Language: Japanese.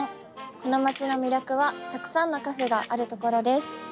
この街の魅力は、たくさんのカフェがあるところです。